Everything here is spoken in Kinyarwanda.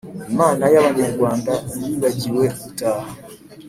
Imana y’abanyarwanda Yibagiwe gutaha